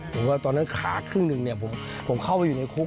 ผมว่าตอนนั้นขาครึ่งหนึ่งผมเข้าไปอยู่ในคุก